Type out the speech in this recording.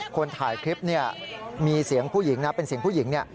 คนถ่ายคลิปเนี่ยมีเสียงผู้หญิงนะเป็นเสียงผู้หญิงเนี่ย